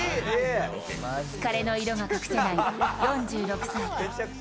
疲れの色が隠せない４６歳。